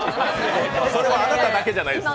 それはあなただけじゃないです。